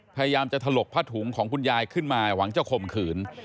พยายามจะถลกผ้าถุงของคุณยายขึ้นมาหวังจะข่มขืน